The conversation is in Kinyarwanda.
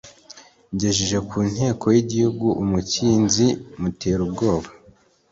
Ngejeje ku nkiko y'igitugu, umukinzi mutera ubwoba.